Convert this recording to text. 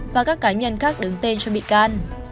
và các cá nhân khác đứng tên cho bị can